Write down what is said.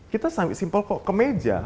kita sampai ke meja